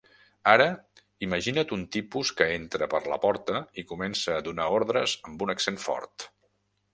Ara imagina't un tipus que entra per la porta i comença a donar ordres amb un accent fort.